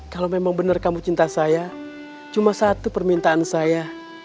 kalau memang benar kamu cinta saya cuma satu permintaan saya